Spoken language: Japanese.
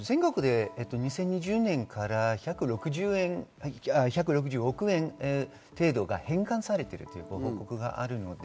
全国で２０２０年から１６０億円程度が返還されているということがあります。